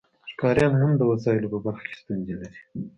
ښکاریان هم د وسایلو په برخه کې ستونزې لري